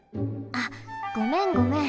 あっごめんごめん。